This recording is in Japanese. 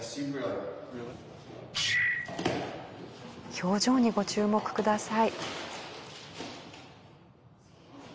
表情にご注目ください。